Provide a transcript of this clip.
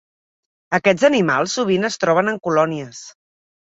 Aquesta animals sovint es troben en colònies.